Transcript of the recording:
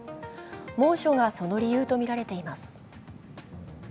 猛暑がその理由とみられています。